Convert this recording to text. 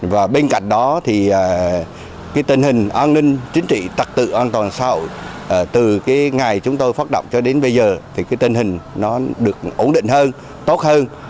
và bên cạnh đó thì tình hình an ninh chính trị tạc tự an toàn sau từ ngày chúng tôi phát động cho đến bây giờ thì tình hình nó được ổn định hơn tốt hơn